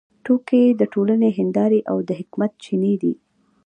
ټوکې د ټولنې هندارې او د حکمت چینې دي.